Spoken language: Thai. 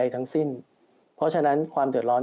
ทั้งสิ้นเพราะฉะนั้นความเดือดร้อน